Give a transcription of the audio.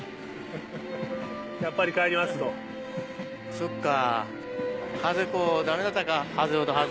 そっか。